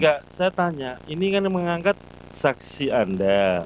enggak saya tanya ini kan yang mengangkat saksi anda